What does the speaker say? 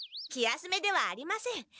気休めではありません。